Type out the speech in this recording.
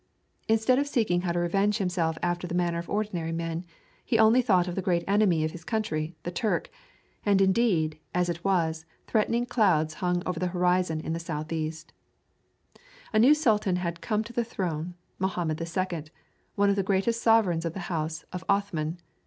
Instead of seeking how to revenge himself after the manner of ordinary men, he only thought of the great enemy of his country, the Turk. And indeed, as it was, threatening clouds hung over the horizon in the southeast. A new sultan had come to the throne, Mohammed II., one of the greatest sovereigns of the house of Othman.